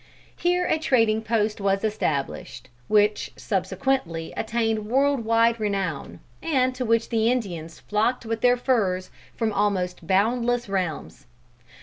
Here a trading post was established, which subsequently attained world wide renown, and to which the Indians flocked with their furs from almost boundless realms.